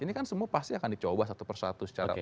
ini kan semua pasti akan dicoba satu persatu secara